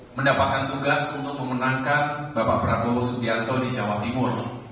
mendapatkan tugas untuk memenangkan bapak prabowo subianto di jawa timur